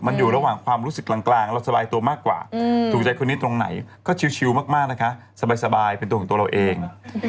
มันอยู่ระหว่างความรู้สึกกลางเราสบายตัวมากกว่าถูกใจคนนี้ตรงไหนก็ชิลมากนะคะสบายเป็นตัวของตัวเราเอง